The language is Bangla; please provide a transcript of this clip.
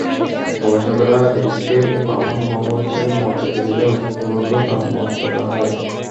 গবেষকেরা এরিসকে বামন গ্রহ হিসেবে মর্যাদা দিলে প্লুটোও তার মর্যাদা হারায়।